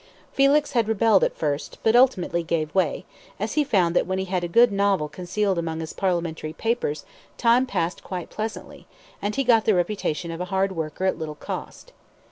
Felix had rebelled at first, but ultimately gave way, as he found that when he had a good novel concealed among his parliamentary papers time passed quite pleasantly, and he got the reputation of a hard worker at little cost.